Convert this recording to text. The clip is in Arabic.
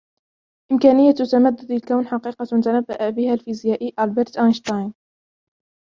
إمكانية تمدد الكون حقيقة تنبأ بها الفيزيائي ألبرت أينشتاين